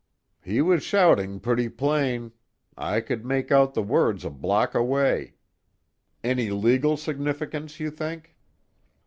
"He was shouting pretty plain. I could make out the words a block away. Any legal significance, you think?"